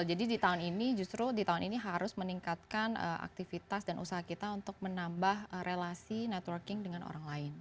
jadi di tahun ini justru harus meningkatkan aktivitas dan usaha kita untuk menambah relasi networking dengan orang lain